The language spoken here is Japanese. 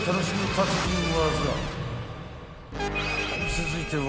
［続いては］